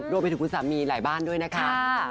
รวมไปถึงคุณสามีหลายบ้านด้วยนะคะ